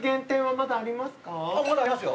まだありますよ。